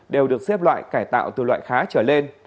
đều được xếp loại cải tạo từ loại khá trở lên